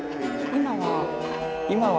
今は？